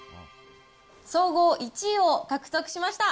総合１位を獲得しました。